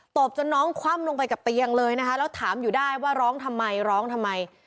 ตบจนน้องคว่ำลงไปกับเตียงเลยนะคะแล้วถามอยู่ได้ว่าร้องทำไมร้องทำไม